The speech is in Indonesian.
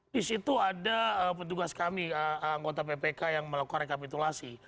di situ ada petugas kami anggota ppk yang melakukan rekapitulasi